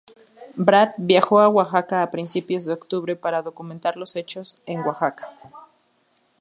Brad viajó a Oaxaca a principios de octubre para documentar los hechos en Oaxaca.